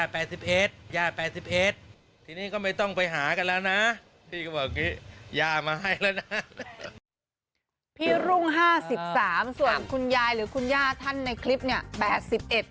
พี่รุ่ง๕๓ส่วนคุณยายหรือคุณย่าท่านในคลิปเนี่ย